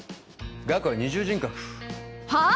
ガクは二重人格はあっ！？